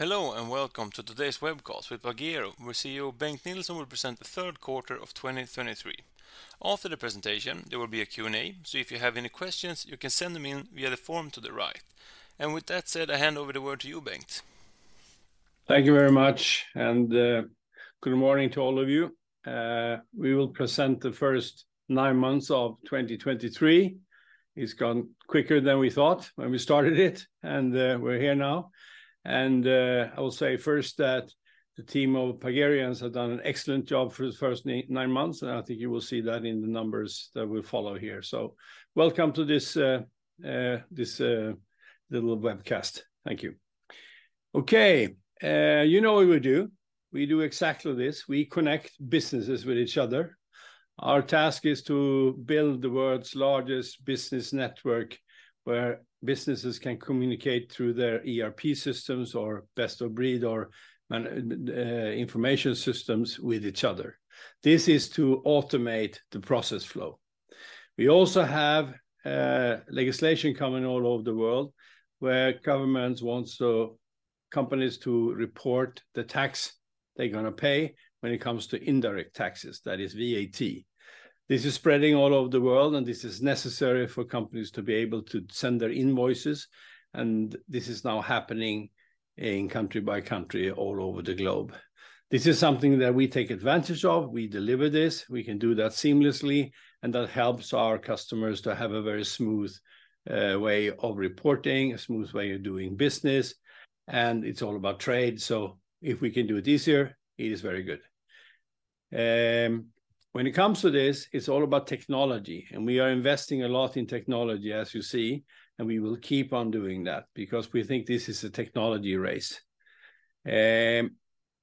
Hello, and welcome to today's webcast with Pagero, where CEO Bengt Nilsson will present the third quarter of 2023. After the presentation, there will be a Q&A, so if you have any questions, you can send them in via the form to the right. And with that said, I hand over the word to you, Bengt. Thank you very much, and good morning to all of you. We will present the first nine months of 2023. It's gone quicker than we thought when we started it, and we're here now. I will say first that the team of Pagerians have done an excellent job for the first nine months, and I think you will see that in the numbers that will follow here, soo welcome to this little webcast, thank you. Okay, you know what we do, we do exactly this, we connect businesses with each other. Our task is to build the world's largest business network, where businesses can communicate through their ERP systems or best-of-breed or manual information systems with each other. This is to automate the process flow. We also have legislation coming all over the world, where governments want companies to report the tax they're gonna pay when it comes to indirect taxes, that is VAT. This is spreading all over the world, and this is necessary for companies to be able to send their invoices, and this is now happening in country by country all over the globe. This is something that we take advantage of. We deliver this, we can do that seamlessly, and that helps our customers to have a very smooth way of reporting, a smooth way of doing business, and it's all about trade, so if we can do it easier, it is very good. When it comes to this, it's all about technology, and we are investing a lot in technology, as you see, and we will keep on doing that because we think this is a technology race.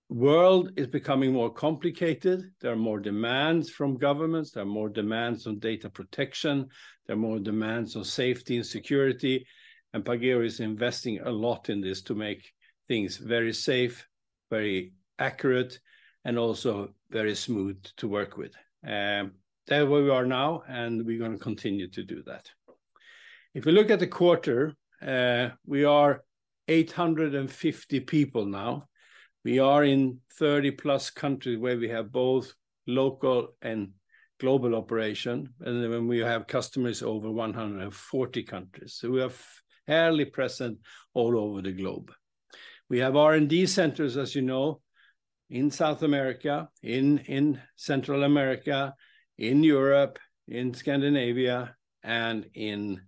World is becoming more complicated, there are more demands from governments, there are more demands on data protection, there are more demands on safety and security, and Pagero is investing a lot in this to make things very safe, very accurate, and also very smooth to work with. And that's where we are now, and we're gonna continue to do that. If we look at the quarter, we are 850 people now, we are in 30+ countries, where we have both local and global operation, and then when we have customers over 140 countries. So we are fairly present all over the globe. We have R&D centers, as you know, in South America, in Central America, in Europe, in Scandinavia, and in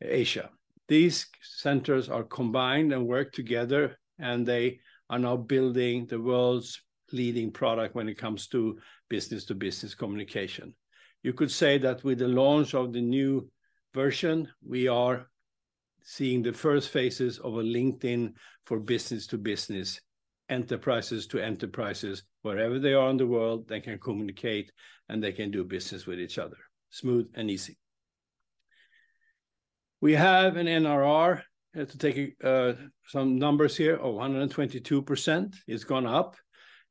Asia. These centers are combined and work together, and they are now building the world's leading product when it comes to business-to-business communication. You could say that with the launch of the new version, we are seeing the first phases of a LinkedIn for business to business, enterprises to enterprises. Wherever they are in the world, they can communicate, and they can do business with each other, smooth and easy. We have an NRR, to take a, some numbers here, of 122%, it's gone up,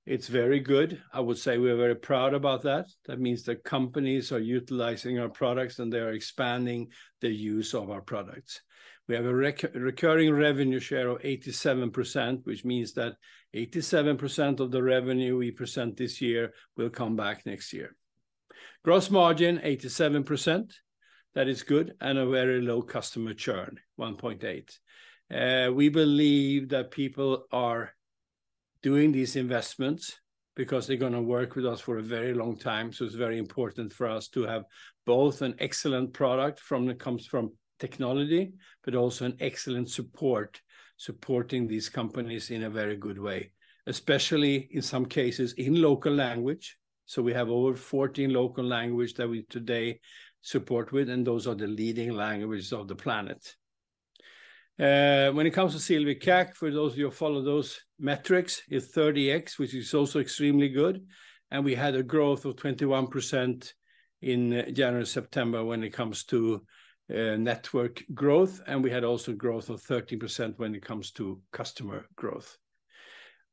it's very good. I would say we're very proud about that, it means that companies are utilizing our products, and they are expanding the use of our products. We have a recurring revenue share of 87%, which means that 87% of the revenue we present this year will come back next year. Gross margin, 87%, that is good, and a very low customer churn, 1.8. We believe that people are doing these investments because they're gonna work with us for a very long time, so it's very important for us to have both an excellent product from it comes from technology, but also an excellent support, supporting these companies in a very good way, especially in some cases, in local language. So we have over 14 local language that we today support with, and those are the leading languages of the planet. When it comes to LTV/CAC, for those of you who follow those metrics, is 30x, which is also extremely good, and we had a growth of 21% in January-September when it comes to network growth, and we had also growth of 30% when it comes to customer growth.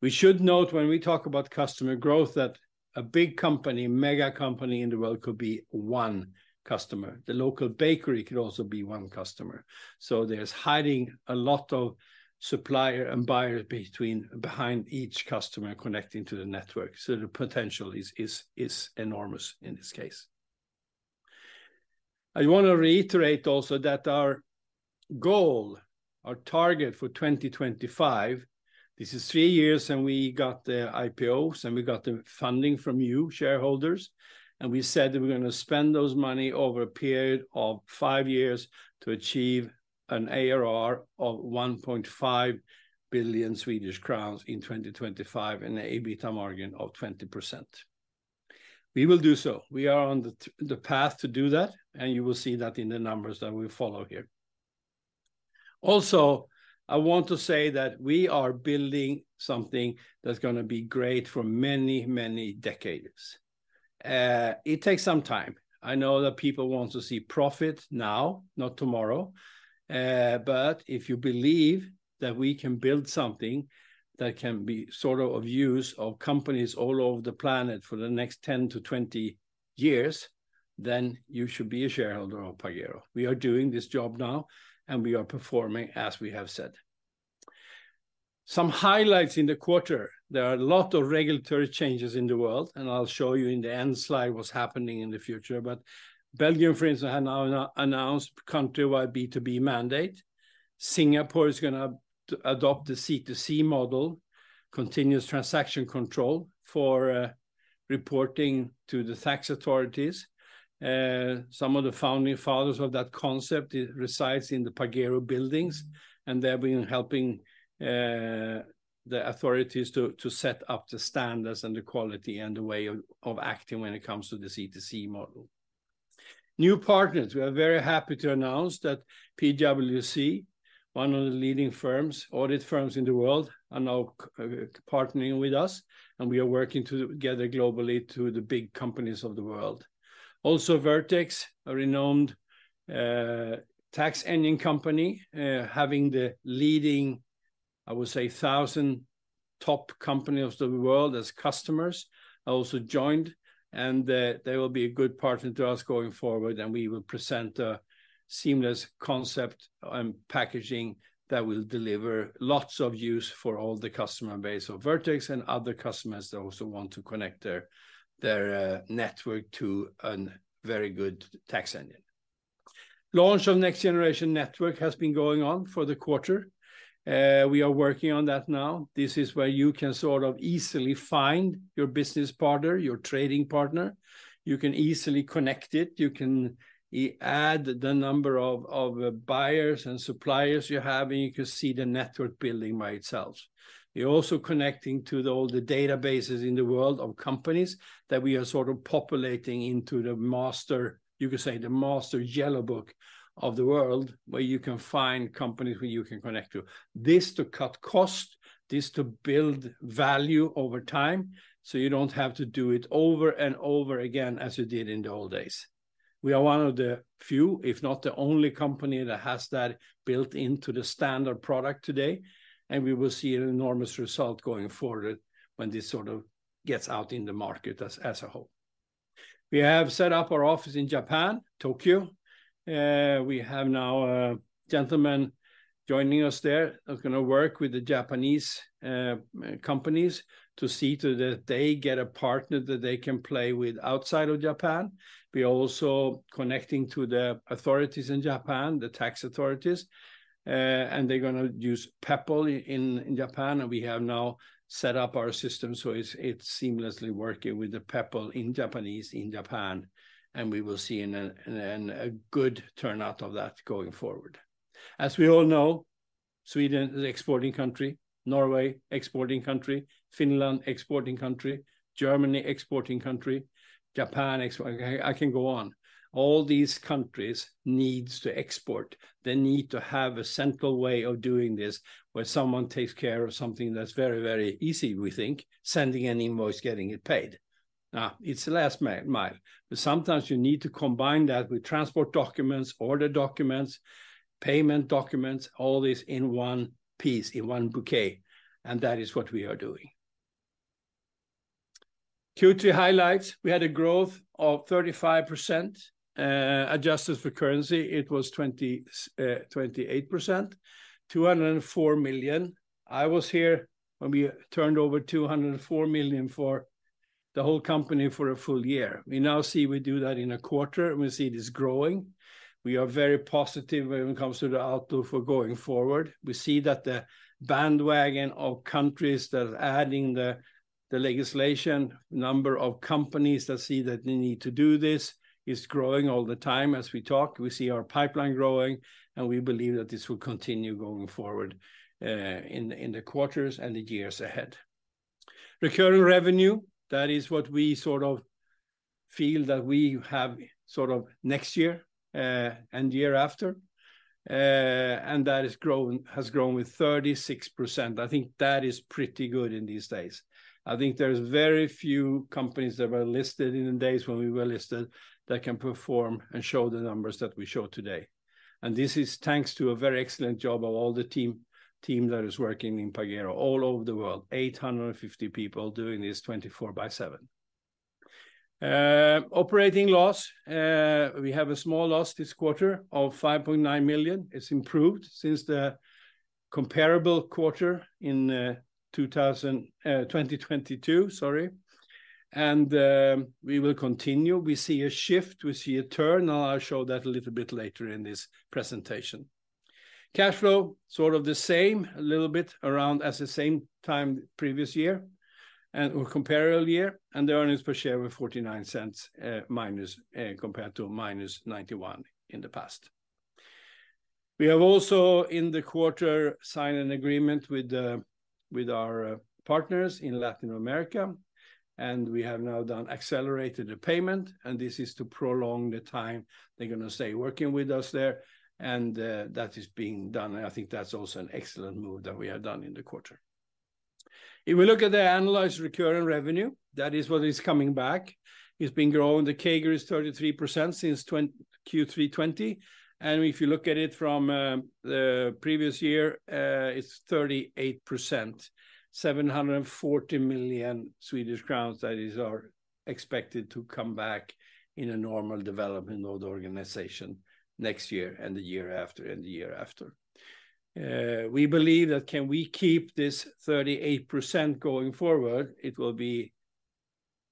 We should note, when we talk about customer growth, that a big company, mega company in the world, could be one customer. The local bakery could also be one customer. So there's hiding a lot of supplier and buyer between, behind each customer connecting to the network, so the potential is enormous in this case. I want to reiterate also that our goal, our target for 2025, this is three years, and we got the IPOs, and we got the funding from you, shareholders, and we said that we're gonna spend those money over a period of five years to achieve an ARR of 1.5 billion Swedish crowns in 2025 and an EBITDA margin of 20%. We will do so, we are on the the path to do that, and you will see that in the numbers that we follow here. Also, I want to say that we are building something that's gonna be great for many, many decades. It takes some time. I know that people want to see profit now, not tomorrow, but if you believe that we can build something that can be sort of, of use of companies all over the planet for the next 10-20 years, then you should be a shareholder of Pagero. We are doing this job now, and we are performing as we have said. Some highlights in the quarter. There are a lot of regulatory changes in the world, and I'll show you in the end slide what's happening in the future. But Belgium, for instance, had now announced countrywide B2B mandate. Singapore is gonna adopt the CTC model, continuous transaction control, for reporting to the tax authorities. Some of the founding fathers of that concept resides in the Pagero buildings, and they've been helping the authorities to set up the standards and the quality and the way of acting when it comes to the CTC model. New partners. We are very happy to announce that PwC, one of the leading firms, audit firms in the world, are now partnering with us, and we are working together globally to the big companies of the world. Also, Vertex, a renowned tax engine company, having the leading, I would say, thousand top company of the world as customers, also joined, and they will be a good partner to us going forward, and we will present a seamless concept and packaging that will deliver lots of use for all the customer base of Vertex and other customers that also want to connect their network to a very good tax engine. Launch of Next Generation Network has been going on for the quarter. We are working on that now. This is where you can sort of easily find your business partner, your trading partner, you can easily connect it. You can add the number of buyers and suppliers you have, and you can see the network building by itself. You're also connecting to all the databases in the world of companies that we are sort of populating into the master... You could say, the master yellow book of the world, where you can find companies who you can connect to. This to cut cost, this to build value over time, so you don't have to do it over and over again as you did in the old days. We are one of the few, if not the only company, that has that built into the standard product today, and we will see an enormous result going forward when this sort of gets out in the market as, as a whole. We have set up our office in Japan, Tokyo. We have now a gentleman joining us there, who's gonna work with the Japanese companies to see to that they get a partner that they can play with outside of Japan. We're also connecting to the authorities in Japan, the tax authorities, and they're gonna use Peppol in Japan, and we have now set up our system so it's seamlessly working with the Peppol in Japanese in Japan, and we will see a good turnout of that going forward. As we all know, Sweden is a exporting country, Norway, exporting country, Finland, exporting country, Germany, exporting country, Japan, export. I can go on. All these countries needs to export. They need to have a central way of doing this, where someone takes care of something that's very, very easy, we think, sending an invoice, getting it paid. Now, it's the last mile, but sometimes you need to combine that with transport documents, order documents, payment documents, all this in one piece, in one bouquet, and that is what we are doing. Q2 highlights, we had a growth of 35%. Adjusted for currency, it was 28%, 204 million. I was here when we turned over 204 million for the whole company for a full year. We now see we do that in a quarter, and we see it is growing. We are very positive when it comes to the outlook for going forward. We see that the bandwagon of countries that are adding the legislation, number of companies that see that they need to do this, is growing all the time as we talk. We see our pipeline growing, and we believe that this will continue going forward in the quarters and the years ahead. Recurring revenue, that is what we sort of feel that we have sort of next year and year after, and that has grown, has grown with 36%. I think that is pretty good in these days. I think there's very few companies that were listed in the days when we were listed that can perform and show the numbers that we show today, and this is thanks to a very excellent job of all the team, team that is working in Pagero all over the world, 850 people doing this 24 by seven. Operating loss, we have a small loss this quarter of 5.9 million. It's improved since the comparable quarter in 2022, sorry, and we will continue. We see a shift. We see a turn. I'll show that a little bit later in this presentation. Cash flow, sort of the same, a little bit, around as the same time previous year, and or comparable year, and the earnings per share were -0.49, compared to -0.91 in the past. We have also, in the quarter, signed an agreement with our partners in Latin America, and we have now done accelerated the payment, and this is to prolong the time they're gonna stay working with us there, and that is being done, and I think that's also an excellent move that we have done in the quarter. If we look at the annualized recurring revenue, that is what is coming back. It's been growing. The CAGR is 33% since Q3 2020, and if you look at it from the previous year, it's 38%. 740 million Swedish crowns that is are expected to come back in a normal development of the organization next year, and the year after, and the year after. We believe that can we keep this 38% going forward, it will be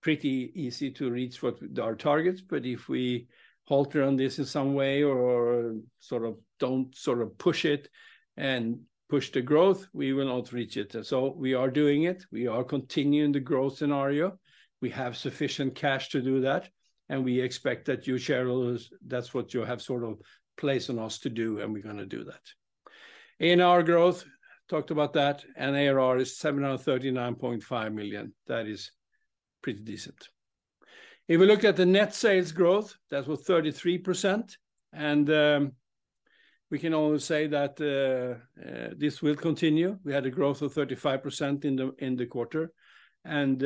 pretty easy to reach what our targets. But if we falter on this in some way or sort of don't sort of push it and push the growth, we will not reach it. So we are doing it, we are continuing the growth scenario. We have sufficient cash to do that, and we expect that you, shareholders, that's what you have sort of placed on us to do, and we're gonna do that. NRR growth, talked about that, and ARR is 739.5 million. That is pretty decent. If we look at the net sales growth, that was 33%, and we can only say that this will continue. We had a growth of 35% in the quarter, and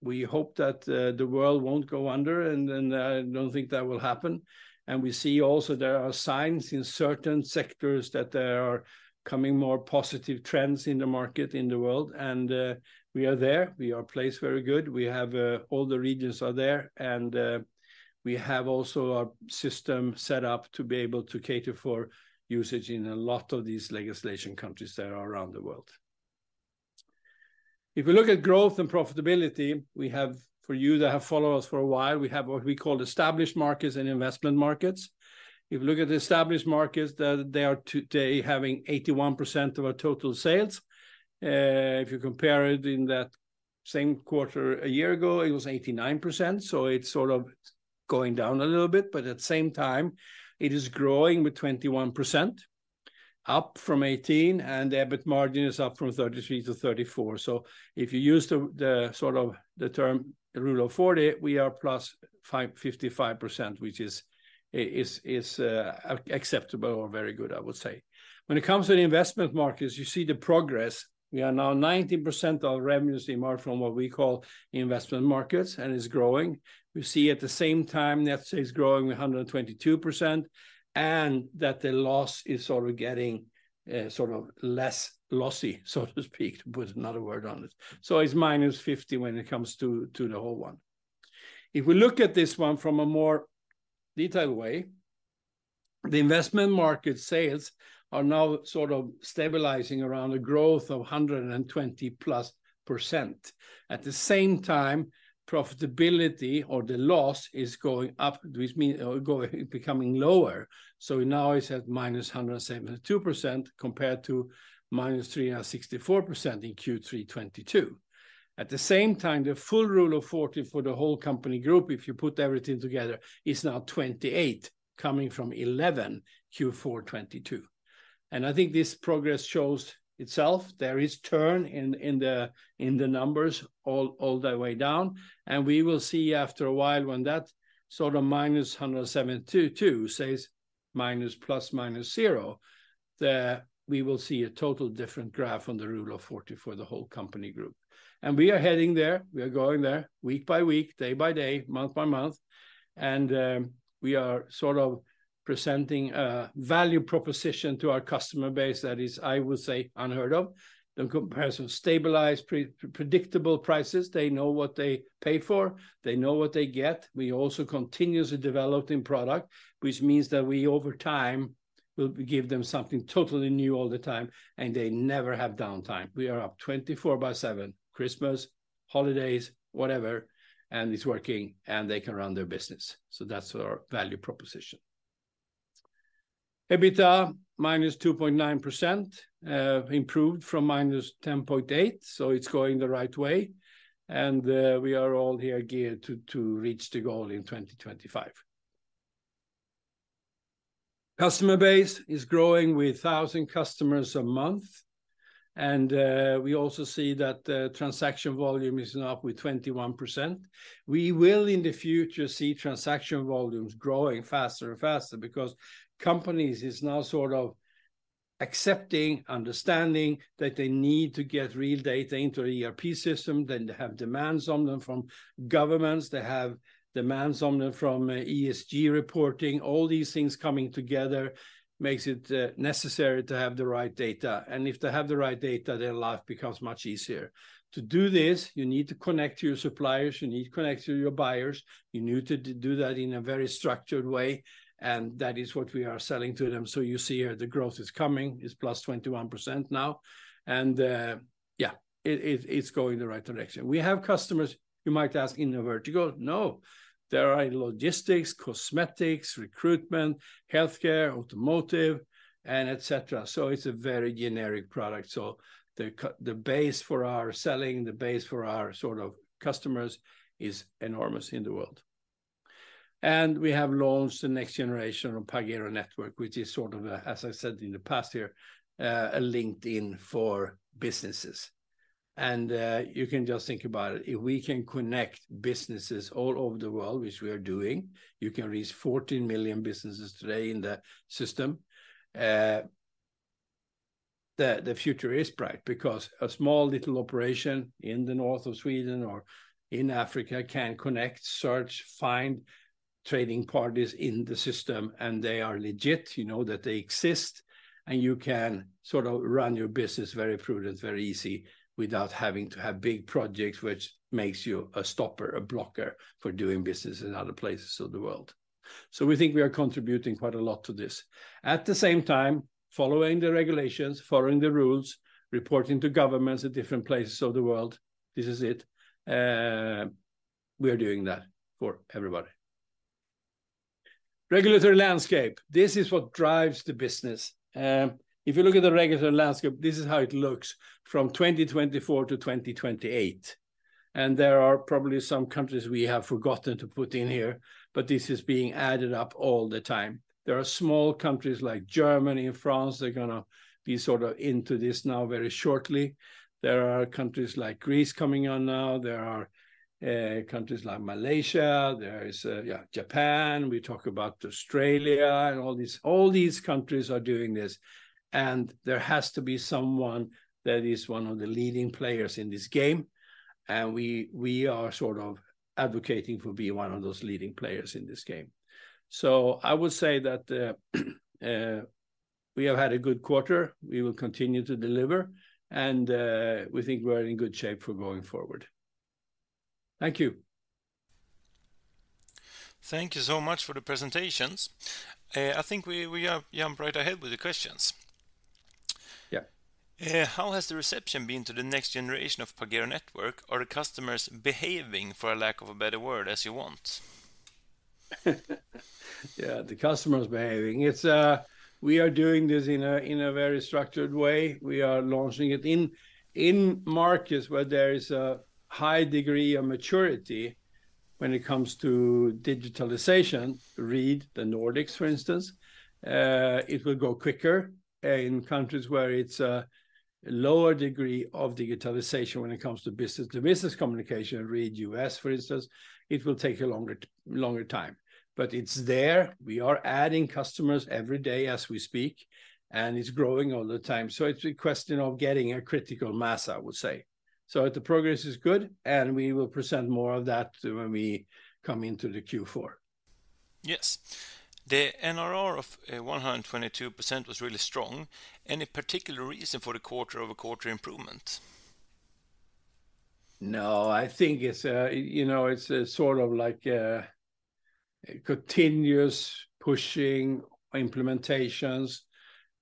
we hope that the world won't go under, and I don't think that will happen. And we see also there are signs in certain sectors that there are coming more positive trends in the market, in the world, and we are there. We are placed very good. We have all the regions are there, and we have also a system set up to be able to cater for usage in a lot of these legislation countries that are around the world. If we look at growth and profitability, we have for you that have followed us for a while, we have what we call established markets and investment markets. If you look at the established markets, that they are today having 81% of our total sales. If you compare it in that same quarter a year ago, it was 89%, so it's sort of going down a little bit, but at the same time, it is growing with 21%, up from 18%, and the EBIT margin is up from 33%-34%. So if you use the sort of the term, the Rule of 40, we are +55%, which is acceptable or very good, I would say. When it comes to the investment markets, you see the progress. We are now 90% of revenues in markets from what we call investment markets, and it's growing. We see at the same time, net sales growing 122%, and that the loss is sort of getting, sort of less lossy, so to speak, to put another word on it. So it's -50% when it comes to, to the whole one. If we look at this one from a more detailed way, the investment market sales are now sort of stabilizing around a growth of 120%+. At the same time, profitability or the loss is going up, which mean, or going, becoming lower. So now it's at -172%, compared to -364% in Q3 2022. At the same time, the full rule of 40 for the whole company group, if you put everything together, is now 28, coming from 11, Q4 2022. I think this progress shows itself. There is turn in, in the, in the numbers all, all the way down, and we will see after a while when that sort of -1722 says minus, plus minus zero, we will see a total different graph on the rule of 40 for the whole company group. We are heading there. We are going there week by week, day by day, month by month, and we are sort of presenting a value proposition to our customer base that is, I would say, unheard of. The comparison, stabilized, pre- predictable prices, they know what they pay for, they know what they get. We also continuously developing product, which means that we, over time, will give them something totally new all the time, and they never have downtime. We are up 24/7, Christmas, holidays, whatever, and it's working, and they can run their business. So that's our value proposition. EBITDA -2.9%, improved from -10.8%, so it's going the right way, and we are all here geared to reach the goal in 2025. Customer base is growing with 1,000 customers a month, and we also see that the transaction volume is now up with 21%. We will, in the future, see transaction volumes growing faster and faster because companies is now sort of accepting, understanding that they need to get real data into the ERP system, then they have demands on them from governments, they have demands on them from ESG reporting. All these things coming together makes it necessary to have the right data, and if they have the right data, their life becomes much easier. To do this, you need to connect to your suppliers, you need to connect to your buyers, you need to do that in a very structured way, and that is what we are selling to them. So you see here the growth is coming, it's +21% now, and yeah, it's going in the right direction. We have customers, you might ask, in vertical? No. There are logistics, cosmetics, recruitment, healthcare, automotive, and et cetera. So it's a very generic product. So the base for our selling, the base for our sort of customers, is enormous in the world. And we have launched the next generation of Pagero Network, which is sort of, as I said in the past here, a LinkedIn for businesses. And you can just think about it. If we can connect businesses all over the world, which we are doing, you can reach 14 million businesses today in the system. The future is bright because a small little operation in the North of Sweden or in Africa can connect, search, find trading parties in the system, and they are legit. You know that they exist, and you can sort of run your business very prudent, very easy, without having to have big projects, which makes you a stopper, a blocker for doing business in other places of the world. So we think we are contributing quite a lot to this. At the same time, following the regulations, following the rules, reporting to governments at different places of the world, this is it. We are doing that for everybody. Regulatory landscape, this is what drives the business. If you look at the regulatory landscape, this is how it looks from 2024 to 2028. And there are probably some countries we have forgotten to put in here, but this is being added up all the time. There are small countries like Germany and France, they're gonna be sort of into this now very shortly. There are countries like Greece coming on now. There are countries like Malaysia. There is yeah, Japan. We talk about Australia and all these. All these countries are doing this, and there has to be someone that is one of the leading players in this game, and we, we are sort of advocating for being one of those leading players in this game. So I would say that we have had a good quarter, we will continue to deliver, and we think we're in good shape for going forward. Thank you. Thank you so much for the presentations. I think we jump right ahead with the questions. Yeah. How has the reception been to the next generation of Pagero Network? Are the customers behaving, for a lack of a better word, as you want? Yeah, the customer is behaving. It's, we are doing this in a very structured way, we are launching it in markets where there is a high degree of maturity when it comes to digitalization. Read the Nordics, for instance. It will go quicker in countries where it's a lower degree of digitalization when it comes to business-to-business communication. Read U.S., for instance. It will take a longer time. But it's there, we are adding customers every day as we speak, and it's growing all the time. So it's a question of getting a critical mass, I would say. So the progress is good, and we will present more of that when we come into the Q4. Yes. The NRR of 122% was really strong. Any particular reason for the quarter-over-quarter improvement? No, I think it's, you know, it's a sort of like a continuous pushing implementations.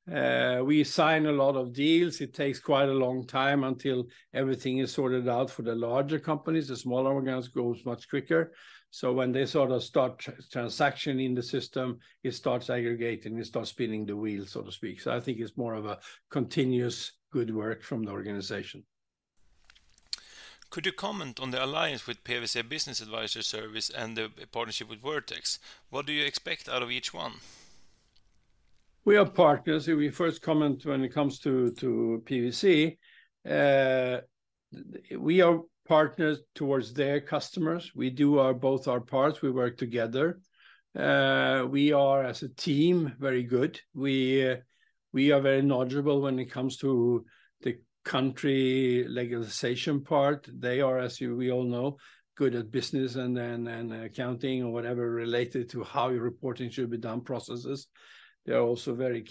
We sign a lot of deals. It takes quite a long time until everything is sorted out for the larger companies, the smaller organizations go much quicker. So when they sort of start transaction in the system, it starts aggregating, it starts spinning the wheel, so to speak. So I think it's more of a continuous good work from the organization. Could you comment on the alliance with PwC Business Advisory Services and the partnership with Vertex? What do you expect out of each one? We are partners, if we first comment when it comes to, to PwC, we are partners towards their customers. We do our both our parts, we work together. We are, as a team, very good. We, we are very knowledgeable when it comes to the country legalization part. They are, as you, we all know, good at business and, and, and accounting or whatever related to how your reporting should be done, processes. They are also very,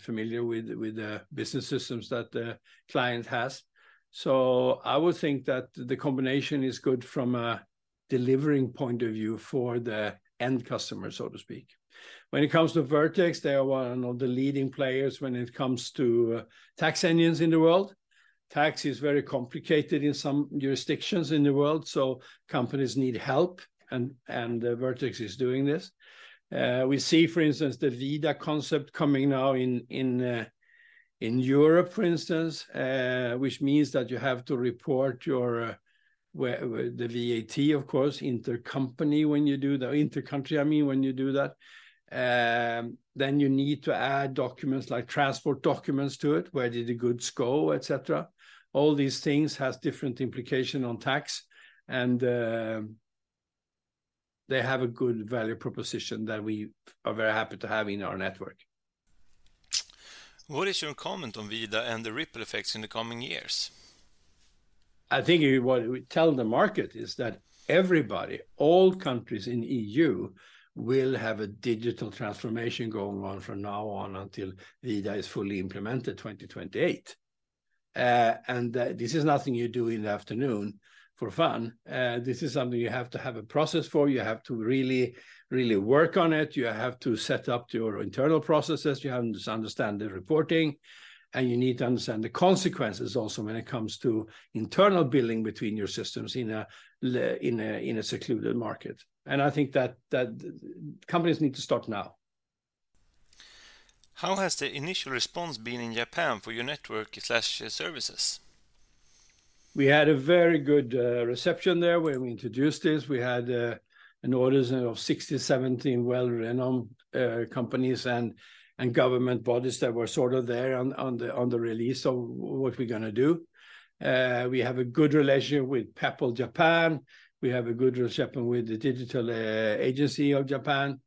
familiar with, with the business systems that the client has. So I would think that the combination is good from a delivering point of view for the end customer, so to speak. When it comes to Vertex, they are one of the leading players when it comes to tax engines in the world. Tax is very complicated in some jurisdictions in the world, so companies need help, and Vertex is doing this. We see, for instance, the ViDA concept coming now in Europe, for instance, which means that you have to report your where the VAT, of course, intercompany when you do intercountry, I mean, when you do that. Then you need to add documents, like transport documents to it, where did the goods go, et cetera. All these things has different implication on tax, and they have a good value proposition that we are very happy to have in our network. What is your comment on ViDA and the ripple effects in the coming years? I think what we tell the market is that everybody, all countries in EU, will have a digital transformation going on from now on until ViDA is fully implemented, 2028. And this is nothing you do in the afternoon for fun. This is something you have to have a process for. You have to really, really work on it. You have to set up your internal processes, you have to understand the reporting, and you need to understand the consequences also when it comes to internal billing between your systems in a secluded market. I think that companies need to start now. How has the initial response been in Japan for your network/services? We had a very good reception there. When we introduced this, we had an audience of 60-70 well-renowned companies and government bodies that were sort of there on the release of what we're gonna do. We have a good relationship with Peppol Japan. We have a good relationship with the Digital Agency of Japan,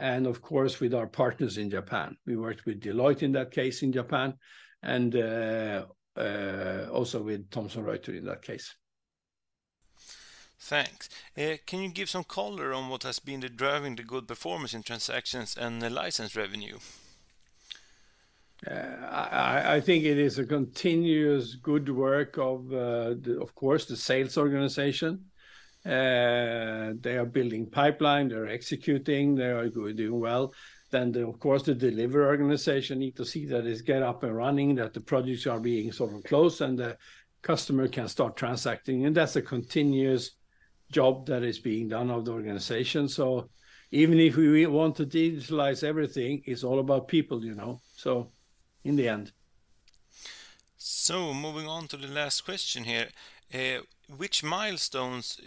and of course, with our partners in Japan. We worked with Deloitte in that case in Japan, and also with Thomson Reuters in that case. Thanks. Can you give some color on what has been driving the good performance in transactions and the license revenue? I think it is a continuous good work of course the sales organization. They are building pipeline, they're executing, they are doing well. Then, of course, the delivery organization need to see that it's get up and running, that the projects are being sort of closed, and the customer can start transacting. And that's a continuous job that is being done of the organization. So even if we want to digitalize everything, it's all about people, you know? So in the end. Moving on to the last question here, which milestones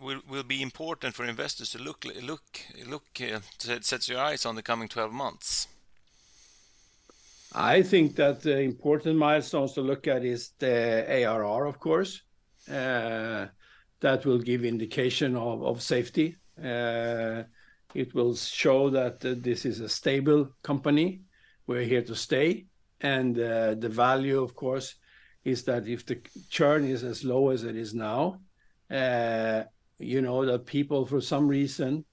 will be important for investors to look, look, look at to set your eyes on the coming 12 months? I think that the important milestones to look at is the ARR, of course. That will give indication of safety. It will show that this is a stable company. We're here to stay, and the value, of course, is that if the churn is as low as it is now, you know, the people, for some reason,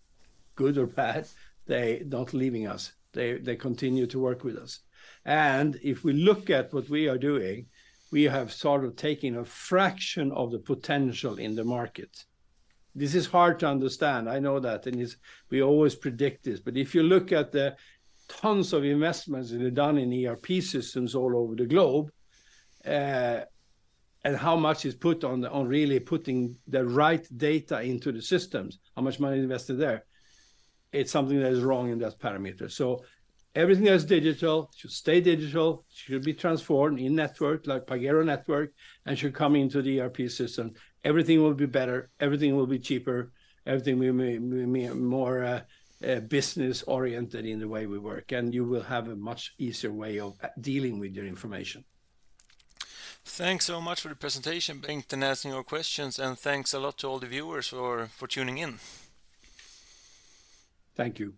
good or bad, they're not leaving us, they continue to work with us. And if we look at what we are doing, we have sort of taken a fraction of the potential in the market. This is hard to understand, I know that, and it's, we always predict this. But if you look at the tons of investments that are done in ERP systems all over the globe, and how much is put on, really putting the right data into the systems, how much money invested there, it's something that is wrong in that parameter. So everything that's digital should stay digital, should be transformed in network, like Pagero Network, and should come into the ERP system. Everything will be better, everything will be cheaper, everything will be more business-oriented in the way we work, and you will have a much easier way of dealing with your information. Thanks so much for the presentation, Bengt, and answering our questions, and thanks a lot to all the viewers for tuning in. Thank you.